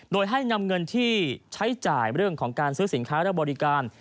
โดยให้นำเงินที่ใช้จ่ายเรื่องของการซื้อสินค้าและบริการ